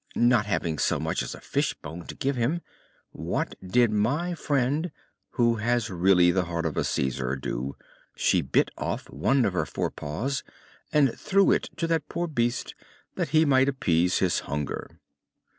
Not having so much as a fish bone to give him, what did my friend, who has really the heart of a Cæsar, do? She bit off one of her fore paws and threw it to that poor beast that he might appease his hunger."